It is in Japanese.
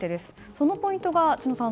そのポイントが知野さん